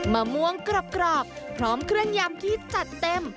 มะม่วงกรอบพร้อมเครื่องยำที่จัดเต็ม